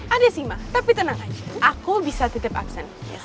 ada sih ma tapi tenang aja aku bisa titip aksen